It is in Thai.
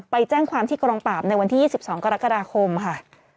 ไปแจ้งความที่กองปราบในวันที่๒๒กรกฎาคมค่ะ